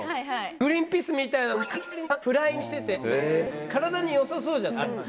グリーンピースみたいなのカリカリにフライにしてて体に良さそうじゃないあれ。